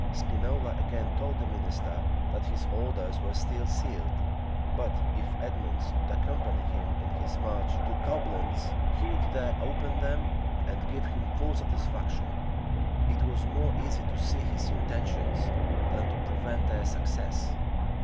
Spinola again told the minister that his orders were still sealed; but, if Edmonds would accompany him in his march to Coblentz, he would there open them, and give him full satisfaction.[] It was more easy to see his intentions, than to prevent their success.